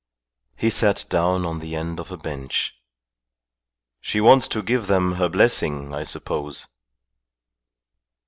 He sat down on the end of a bench. "She wants to give them her blessing, I suppose."